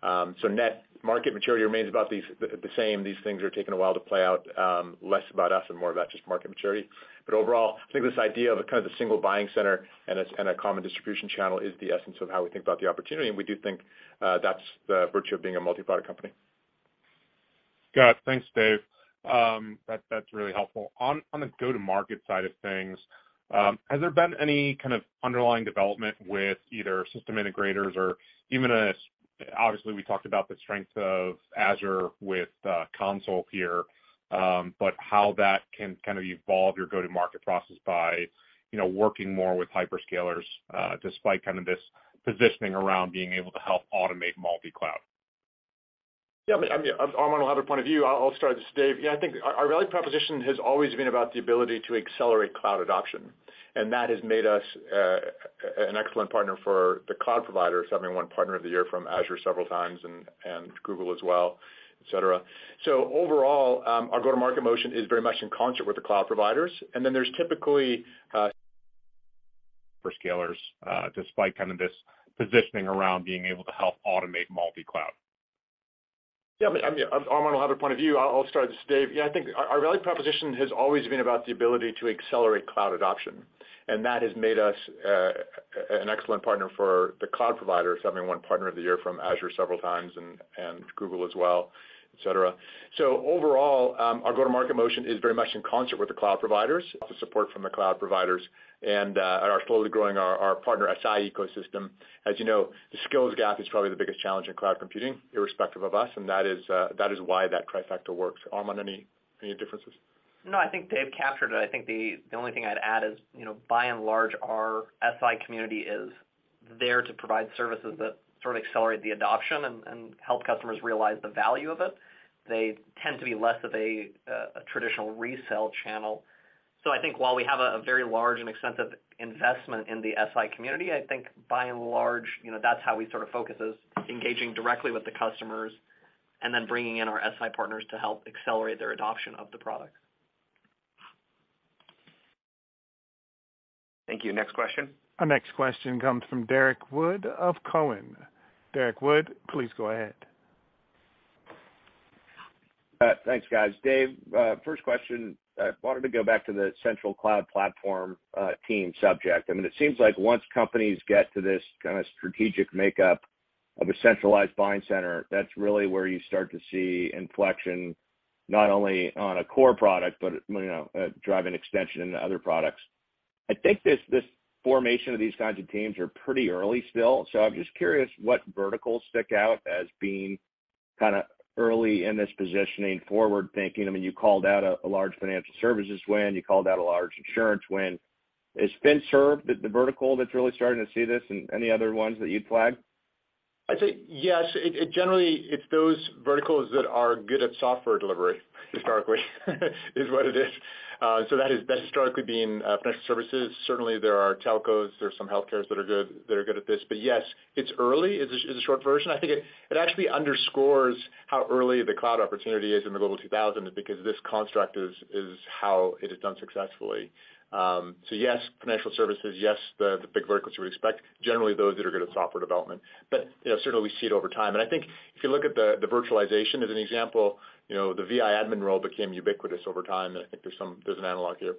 Net market maturity remains about the same. These things are taking a while to play out, less about us and more about just market maturity. Overall, I think this idea of a kind of a single buying center and a common distribution channel is the essence of how we think about the opportunity, and we do think that's the virtue of being a multi-product company. Got it. Thanks, Dave. That's really helpful. On the go-to-market side of things, has there been any kind of underlying development with either system integrators? Obviously, we talked about the strength of Azure with Consul here, but how that can kind of evolve your go-to-market process by, you know, working more with hyperscalers, despite kind of this positioning around being able to help automate multi-cloud? Yeah. I mean, Armon will have a point of view. I'll start. This is Dave. Yeah, I think our value proposition has always been about the ability to accelerate cloud adoption, and that has made us an excellent partner for the cloud providers, having won Partner of the Year from Azure several times and Google as well, et cetera. Overall, our go-to-market motion is very much in concert with the cloud providers and there's typically. For scalers, despite kind of this positioning around being able to help automate multi-cloud. Yeah. I mean, Armon will have a point of view. I'll start. This is Dave. Yeah, I think our value proposition has always been about the ability to accelerate cloud adoption, and that has made us an excellent partner for the cloud providers, having won partner of the year from Azure several times and Google as well, et cetera. Overall, our go-to-market motion is very much in concert with the cloud providers. The support from the cloud providers and are slowly growing our partner SI ecosystem. As you know, the skills gap is probably the biggest challenge in cloud computing, irrespective of us, and that is why that trifecta works. Armon, any differences? No, I think Dave captured it. I think the only thing I'd add is, you know, by and large, our SI community is there to provide services that sort of accelerate the adoption and help customers realize the value of it. They tend to be less of a traditional resale channel. I think while we have a very large and extensive investment in the SI community, I think by and large, you know, that's how we sort of focus is engaging directly with the customers and then bringing in our SI partners to help accelerate their adoption of the product. Thank you. Next question. Our next question comes from Derrick Wood of Cowen. Derrick Wood, please go ahead. Thanks, guys. Dave, first question, I wanted to go back to the central cloud platform team subject. I mean, it seems like once companies get to this kind of strategic makeup of a centralized buying center, that's really where you start to see inflection, not only on a core product, but, you know, drive an extension into other products. I think this formation of these kinds of teams are pretty early still. So I'm just curious what verticals stick out as being kinda early in this positioning forward thinking. I mean, you called out a large financial services win, you called out a large insurance win. Is FinServ the vertical that's really starting to see this and any other ones that you'd flag? I'd say yes. It generally, it's those verticals that are good at software delivery historically, is what it is. That has historically been financial services. Certainly, there are telcos, there are some health cares that are good at this. Yes, it's early is the short version. I think it actually underscores how early the cloud opportunity is in the Global 2000 because this construct is how it is done successfully. Yes, financial services, yes, the big verticals we expect, generally those that are good at software development. You know, certainly we see it over time. I think if you look at the virtualization as an example, you know, the VMware admin role became ubiquitous over time, and I think there's an analog here.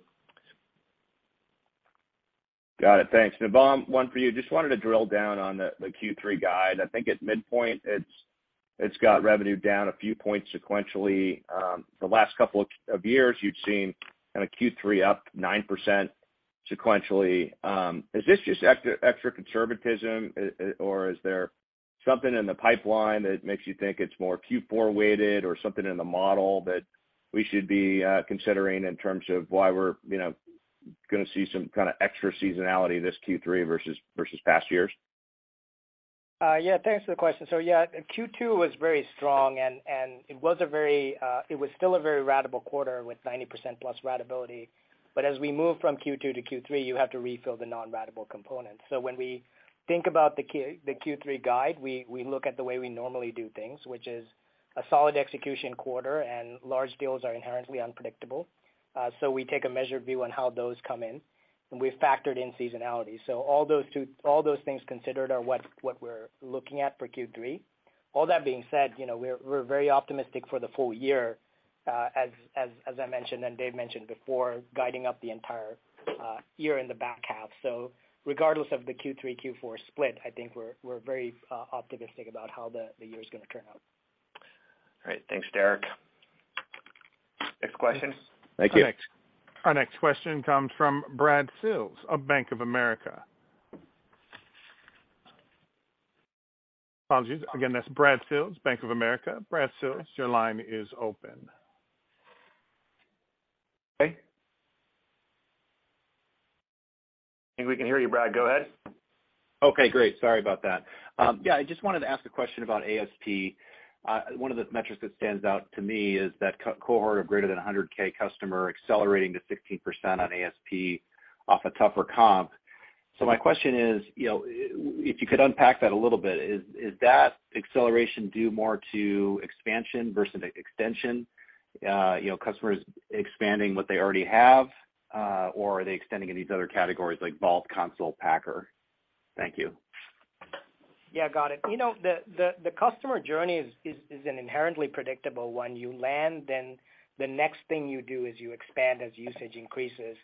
Got it. Thanks. Navam, one for you. Just wanted to drill down on the Q3 guide. I think at midpoint, it's got revenue down a few points sequentially. The last couple of years, you've seen kinda Q3 up 9% sequentially. Is this just extra conservatism? Or is there something in the pipeline that makes you think it's more Q4 weighted or something in the model that we should be considering in terms of why we're, you know, gonna see some kinda extra seasonality this Q3 versus past years? Yeah, thanks for the question. Yeah, Q2 was very strong, and it was still a very ratable quarter with 90%+ ratability. As we move from Q2 to Q3, you have to refill the non-ratable component. When we think about the Q3 guide, we look at the way we normally do things, which is a solid execution quarter, and large deals are inherently unpredictable. We take a measured view on how those come in, and we've factored in seasonality. All those things considered are what we're looking at for Q3. All that being said, you know, we're very optimistic for the full year, as I mentioned and Dave mentioned before, guiding up the entire year in the back half. Regardless of the Q3, Q4 split, I think we're very optimistic about how the year's gonna turn out. All right. Thanks, Derrick. Next question. Thank you. Our next question comes from Brad Sills of Bank of America. Apologies again, that's Brad Sills, Bank of America. Brad Sills, your line is open. Okay. I think we can hear you, Brad. Go ahead. Okay, great. Sorry about that. Yeah, I just wanted to ask a question about ASP. One of the metrics that stands out to me is that cohort of greater than 100K customer accelerating to 16% on ASP off a tougher comp. So my question is, you know, if you could unpack that a little bit, is that acceleration due more to expansion versus extension? You know, customers expanding what they already have, or are they extending in these other categories like Vault, Consul, Packer? Thank you. Yeah. Got it. You know, the customer journey is an inherently predictable one. You land, then the next thing you do is you expand as usage increases,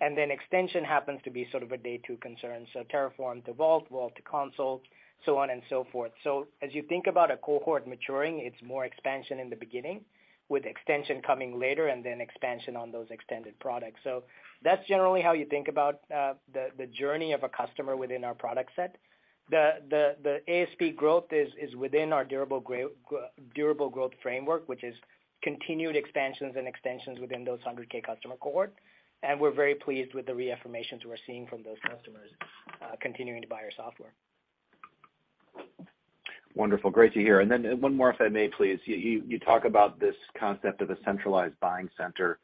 and then extension happens to be sort of a day two concern. Terraform to Vault to Consul, so on and so forth. As you think about a cohort maturing, it's more expansion in the beginning with extension coming later and then expansion on those extended products. That's generally how you think about the journey of a customer within our product set. The ASP growth is within our durable growth framework, which is continued expansions and extensions within those 100K customer cohort. We're very pleased with the reaffirmations we're seeing from those customers continuing to buy our software. Wonderful. Great to hear. One more, if I may please. You talk about this concept of a centralized buying center.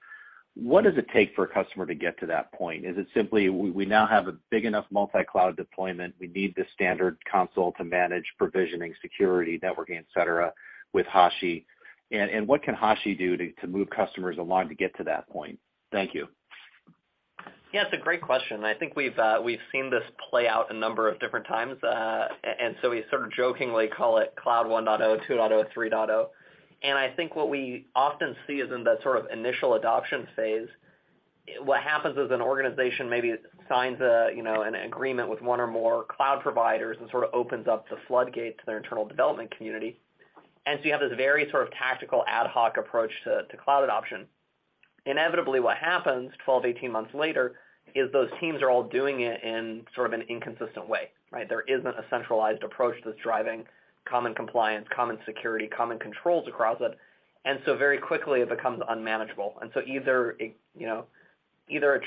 What does it take for a customer to get to that point? Is it simply we now have a big enough multi-cloud deployment, we need the standard console to manage provisioning, security, networking, et cetera, with Hashi? What can Hashi do to move customers along to get to that point? Thank you. Yeah, it's a great question. I think we've seen this play out a number of different times. We sort of jokingly call it cloud 1.0, 2.0, 3.0. I think what we often see is in that sort of initial adoption phase, what happens is an organization maybe signs a, you know, an agreement with one or more cloud providers and sort of opens up the floodgate to their internal development community. You have this very sort of tactical ad hoc approach to cloud adoption. Inevitably, what happens 12-18 months later is those teams are all doing it in sort of an inconsistent way, right? There isn't a centralized approach that's driving common compliance, common security, common controls across it. Very quickly it becomes unmanageable. Either it, you know,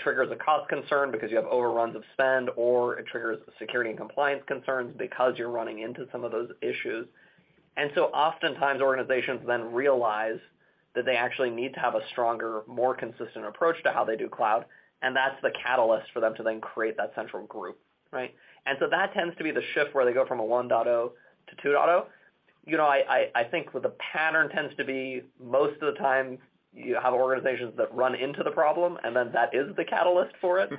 triggers a cost concern because you have overruns of spend, or it triggers security and compliance concerns because you're running into some of those issues. Oftentimes organizations then realize that they actually need to have a stronger, more consistent approach to how they do cloud, and that's the catalyst for them to then create that central group, right? That tends to be the shift where they go from a 1.0 to 2.0. You know, I think what the pattern tends to be, most of the time you have organizations that run into the problem, and then that is the catalyst for it.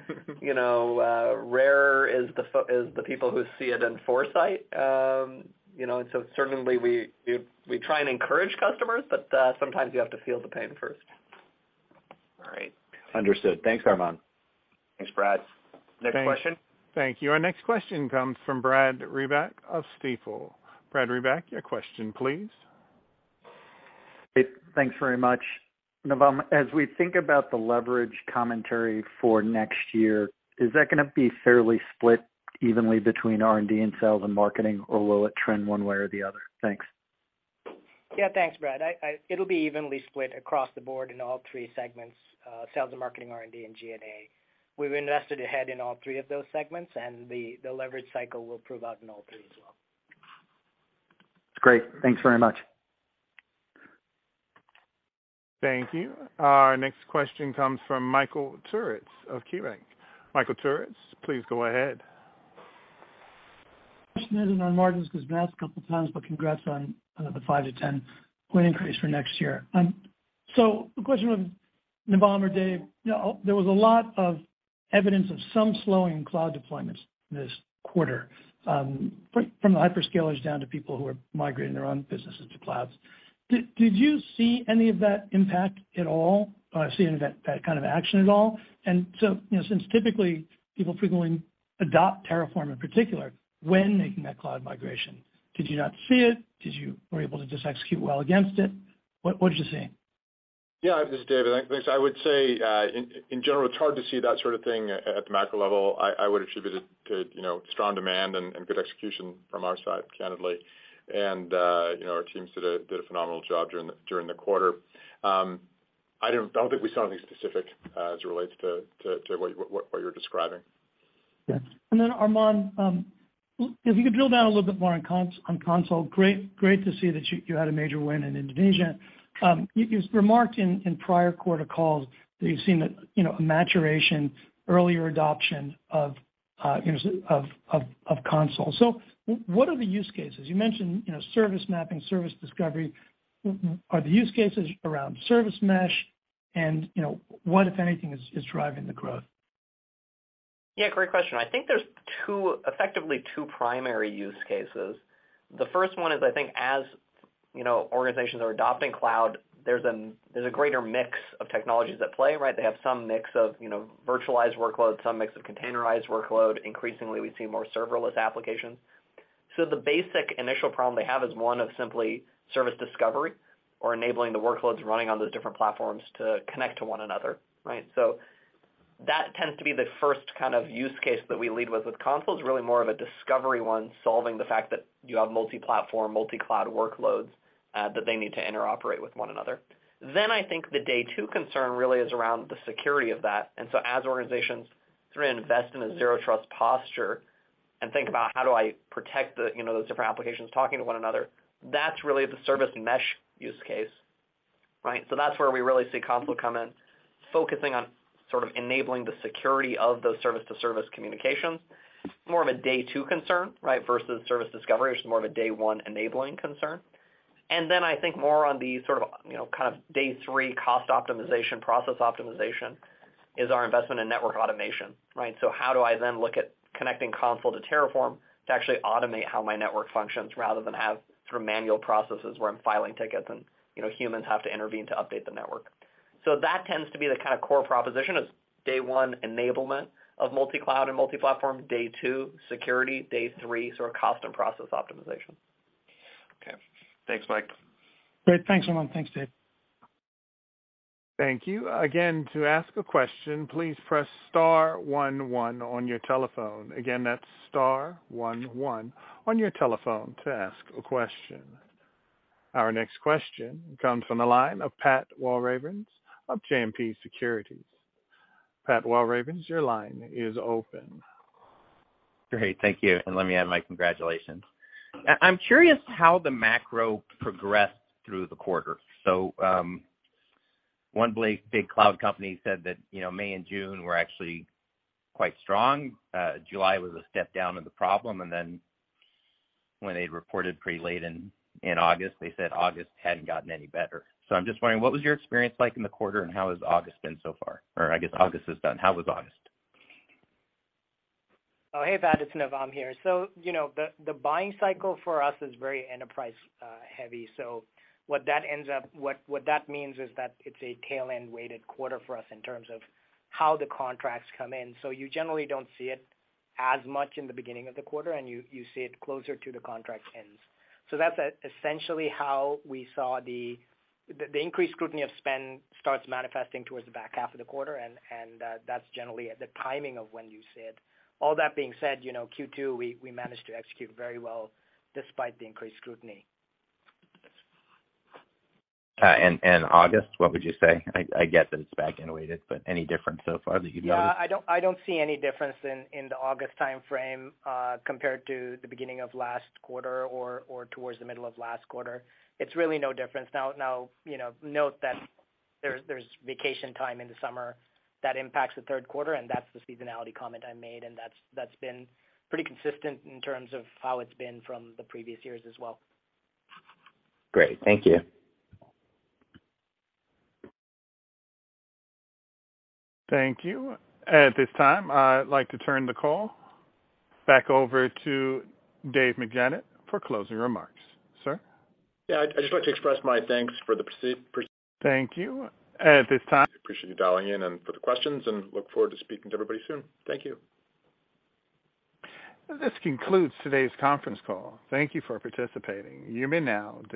You know, rare is the people who see it in foresight. You know, certainly we try and encourage customers, but sometimes you have to feel the pain first. All right. Understood. Thanks, Armon. Thanks, Brad. Next question. Thank you. Our next question comes from Brad Reback of Stifel. Brad Reback, your question, please. Thanks very much. Navam, as we think about the leverage commentary for next year, is that gonna be fairly split evenly between R&D and sales and marketing, or will it trend one way or the other? Thanks. Yeah, thanks, Brad. It'll be evenly split across the board in all three segments, sales and marketing, R&D, and G&A. We've invested ahead in all three of those segments, and the leverage cycle will prove out in all three as well. Great. Thanks very much. Thank you. Our next question comes from Michael Turits of KeyBanc. Michael Turits, please go ahead. Question has been on margins because math a couple of times, but congrats on the 5-10 point increase for next year. The question for Navam or Dave, you know, there was a lot of evidence of some slowing in cloud deployments this quarter, from the hyperscalers down to people who are migrating their own businesses to clouds. Did you see any of that impact at all? Or see any of that kind of action at all? You know, since typically people frequently adopt Terraform in particular when making that cloud migration, did you not see it? Were you able to just execute well against it? What did you see? Yeah. This is David. Thanks. I would say, in general, it's hard to see that sort of thing at the macro level. I would attribute it to, you know, strong demand and good execution from our side, candidly. You know, our teams did a phenomenal job during the quarter. I don't think we saw anything specific as it relates to what you're describing. Yeah. Armon, if you could drill down a little bit more on Consul, great to see that you had a major win in Indonesia. You remarked in prior quarter calls that you've seen that, you know, a maturation, earlier adoption of, you know, of Consul. What are the use cases? You mentioned, you know, service mapping, service discovery. Are the use cases around service mesh? And, you know, what, if anything, is driving the growth? Yeah, great question. I think there's two effectively two primary use cases. The first one is, I think as, you know, organizations are adopting cloud, there's a greater mix of technologies at play, right? They have some mix of, you know, virtualized workload, some mix of containerized workload. Increasingly, we see more serverless applications. The basic initial problem they have is one of simply service discovery or enabling the workloads running on those different platforms to connect to one another, right? That tends to be the first kind of use case that we lead with Consul is really more of a discovery one, solving the fact that you have multi-platform, multi-cloud workloads, that they need to interoperate with one another. I think the day two concern really is around the security of that. As organizations sort of invest in a zero trust posture and think about how do I protect the, you know, those different applications talking to one another, that's really the service mesh use case, right? That's where we really see Consul come in, focusing on sort of enabling the security of those service to service communications. More of a day two concern, right? Versus service discovery, which is more of a day one enabling concern. I think more on the sort of, you know, kind of day three cost optimization, process optimization is our investment in network automation, right? How do I then look at connecting Consul to Terraform to actually automate how my network functions, rather than have sort of manual processes where I'm filing tickets and, you know, humans have to intervene to update the network. That tends to be the kind of core proposition is day one enablement of multi-cloud and multi-platform, day two security, day three sort of cost and process optimization. Okay. Thanks, Mike. Great. Thanks, Armon. Thanks, Dave. Thank you. Again, to ask a question, please press star one one on your telephone. Again, that's star one one on your telephone to ask a question. Our next question comes from the line of Pat Walravens of JMP Securities. Pat Walravens, your line is open. Great. Thank you. Let me add my congratulations. I'm curious how the macro progressed through the quarter. One big cloud company said that, you know, May and June were actually quite strong. July was a step down in the pipeline. Then when they reported pretty late in August, they said August hadn't gotten any better. I'm just wondering, what was your experience like in the quarter, and how has August been so far? I guess August is done. How was August? Oh, hey, Pat, it's Navam here. You know, the buying cycle for us is very enterprise heavy. What that means is that it's a tail end weighted quarter for us in terms of how the contracts come in. You generally don't see it as much in the beginning of the quarter, and you see it closer to the contract ends. That's essentially how we saw the increased scrutiny of spend starts manifesting towards the back half of the quarter, and that's generally the timing of when you see it. All that being said, you know, Q2, we managed to execute very well despite the increased scrutiny. August, what would you say? I get that it's back end weighted, but any difference so far that you've noticed? Yeah, I don't see any difference in the August timeframe, compared to the beginning of last quarter or towards the middle of last quarter. It's really no difference. Now, you know, note that there's vacation time in the summer that impacts the Q3, and that's the seasonality comment I made, and that's been pretty consistent in terms of how it's been from the previous years as well. Great. Thank you. Thank you. At this time, I'd like to turn the call back over to Dave McJannet for closing remarks. Sir? Yeah, I'd just like to express my thanks for the pro. Thank you. At this time. Appreciate you dialing in and for the questions, and look forward to speaking to everybody soon. Thank you. This concludes today's conference call. Thank you for participating. You may now disconnect.